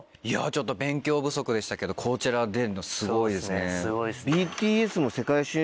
ちょっと勉強不足でしたけどコーチェラ出るのすごいですね。